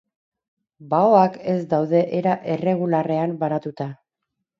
Baoak ez daude era erregularrean banatuta.